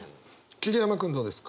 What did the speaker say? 桐山君どうですか。